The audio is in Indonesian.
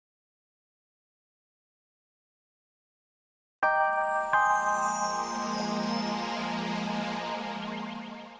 kah lu kan mulai bercobot